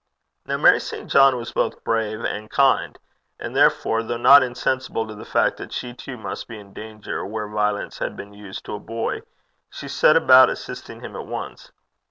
Now Mary St. John was both brave and kind; and, therefore, though not insensible to the fact that she too must be in danger where violence had been used to a boy, she set about assisting him at once.